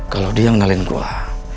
kalau dia yang ngalin gue